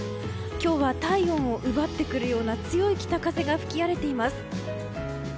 今日は体温を奪ってくるような強い北風が吹き荒れています。